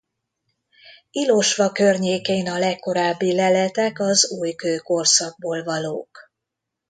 Ilosva környékén a legkorábbi leletek az újkőkorszakból valók.